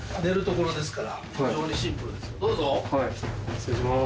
失礼します。